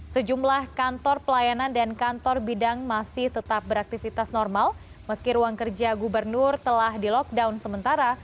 sejumlah kantor pelayanan dan kantor bidang masih tetap beraktivitas normal meski ruang kerja gubernur telah di lockdown sementara